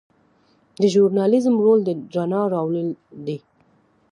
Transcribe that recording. د ژورنالیزم رول د رڼا راوړل دي.